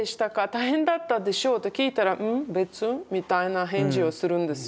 大変だったでしょう？」と聞いたら「ん？別」みたいな返事をするんですよ。